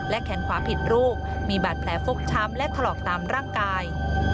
แขนขวาผิดรูปมีบาดแผลฟกช้ำและถลอกตามร่างกาย